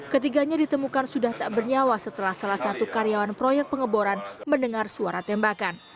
ketiganya ditemukan sudah tak bernyawa setelah salah satu karyawan proyek pengeboran mendengar suara tembakan